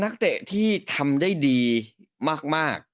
ครับ